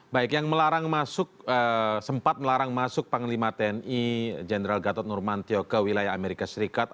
baik yang melarang masuk sempat melarang masuk panglima tni jenderal gatot nurmantio ke wilayah amerika serikat